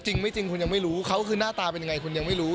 จริงไม่จริงคุณยังไม่รู้เขาคือหน้าตาเป็นยังไงคุณยังไม่รู้